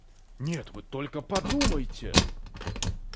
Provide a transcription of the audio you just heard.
Нет, вы только подумайте!